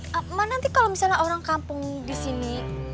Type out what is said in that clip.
ma ma nanti kalau misalnya orang kampung di sini